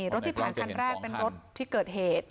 รถที่ผ่านคันแรกเป็นรถที่เกิดเหตุ